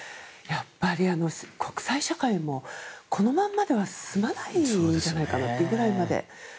やっぱり国際社会もこのままでは済まないんじゃないかというぐらいまで。